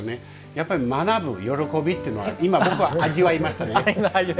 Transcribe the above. やっぱり学ぶ喜びっていうのは僕は今、味わいましたね。